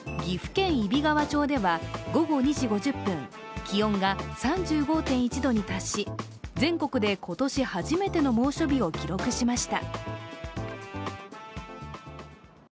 岐阜県揖斐川町では、午後２時５０分、気温が３５．１度に達し全国で今年初めての猛暑日を記録しました。